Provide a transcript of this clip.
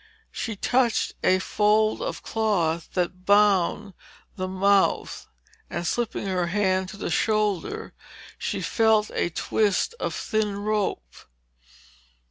She touched a fold of cloth that bound the mouth and slipping her hand to the shoulder, she felt a twist of thin rope.